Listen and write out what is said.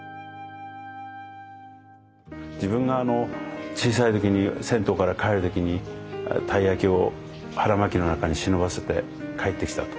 自分が小さい時に銭湯から帰る時にたい焼きを腹巻きの中に忍ばせて帰ってきたと。